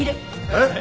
えっ？